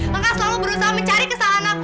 kakak selalu berusaha mencari kesalahan aku